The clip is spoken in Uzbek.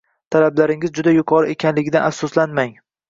Talablaringiz juda yuqori ekanligidan afsuslanmang.